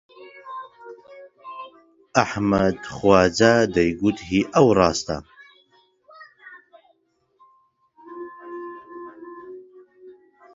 ئەحمەد خواجا دەیگوت هی ئەو ڕاستە